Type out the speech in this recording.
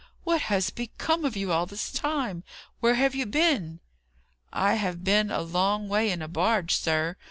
What has become of you all this time? Where have you been?" "I have been a long way in a barge, sir.